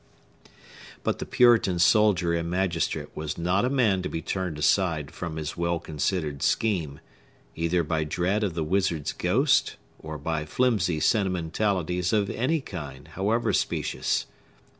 But the Puritan soldier and magistrate was not a man to be turned aside from his well considered scheme, either by dread of the wizard's ghost, or by flimsy sentimentalities of any kind, however specious.